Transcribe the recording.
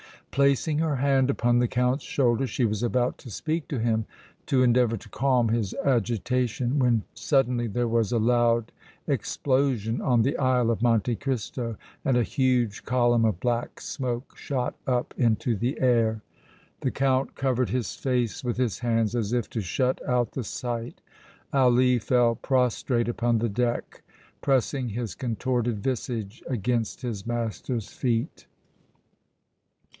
Placing her hand upon the Count's shoulder, she was about to speak to him, to endeavor to calm his agitation, when suddenly there was a loud explosion on the Isle of Monte Cristo and a huge column of black smoke shot up into the air. The Count covered his face with his hands as if to shut out the sight. Ali fell prostrate upon the deck, pressing his contorted visage against his master's feet.